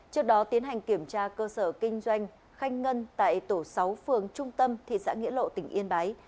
trước đó tiến hành kiểm tra cơ sở kinh doanh khanh ngân tại tổ sáu phường trung tâm thị xã nghĩa lộ tỉnh yên bái